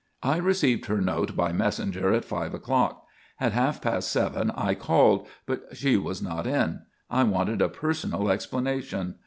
"I received her note by messenger at five o'clock. At half past seven I called, but she was not in. I wanted a personal explanation.